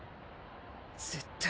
絶対。